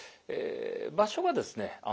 場所はですね